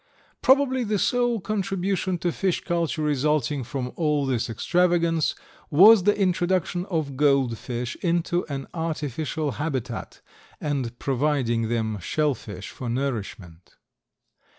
Probably the sole contribution to fish culture resulting from all this extravagance, was the introduction of gold fish into an artificial habitat and providing them shell fish for nourishment.